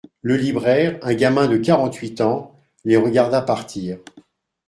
Le libraire, un gamin de quarante-huit ans, les regarda partir